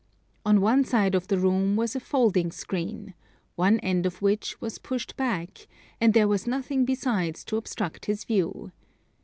On one side of the room was a folding screen, one end of which was pushed back, and there was nothing besides to obstruct his view.